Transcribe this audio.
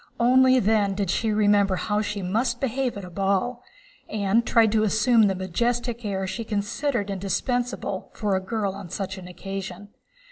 Only then did she remember how she must behave at a ball, and tried to assume the majestic air she considered indispensable for a girl on such an occasion.